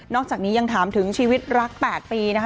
อกจากนี้ยังถามถึงชีวิตรัก๘ปีนะคะ